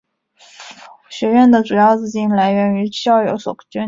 学院的主要资金来自于校友所捐赠。